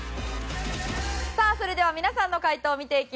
さあそれでは皆さんの解答を見ていきましょう。